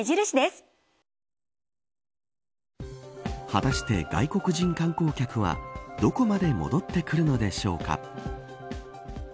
果たして外国人観光客はどこまで戻ってくるのでしょうか。